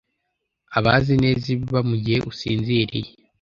abazi neza ibiba mu gihe usinziriye.